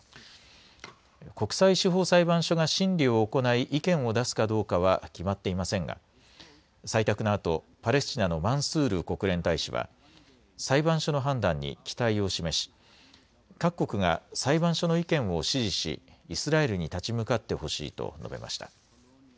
国際司法裁判所が審理を行い意見を出すかどうかは決まっていませんが、採択のあと、パレスチナのマンスール国連大使は裁判所の判断に期待を示し、各国が裁判所の意見を支持し、イスラエルに立ち向かってほしいと述べました。